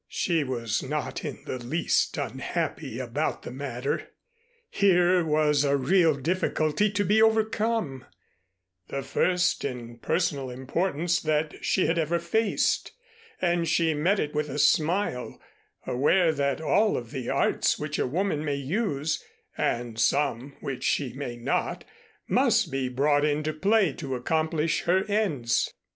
She was not in the least unhappy about the matter. Here was a real difficulty to be overcome, the first in personal importance that she had ever faced, and she met it with a smile, aware that all of the arts which a woman may use (and some which she may not) must be brought into play to accomplish her ends.